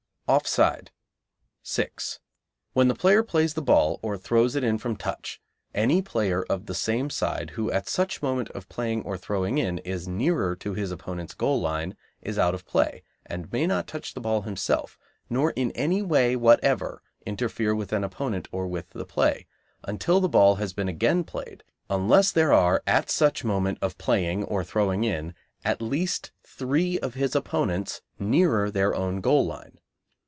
Offside. 6. When the player plays the ball, or throws it in from touch, any player of the same side who at such moment of playing or throwing in is nearer to his opponents' goal line is out of play, and may not touch the ball himself, nor in any way whatever interfere with an opponent or with the play, until the ball has been again played, unless there are at such moment of playing or throwing in at least three of his opponents nearer their own goal line.